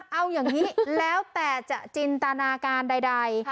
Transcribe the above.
เอาอย่างนี้แล้วแต่จะจินตนาการใด